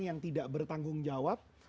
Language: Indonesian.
yang tidak bertanggung jawab